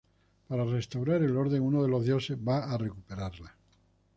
Para restaurar el orden, uno de los dioses va a recuperarla.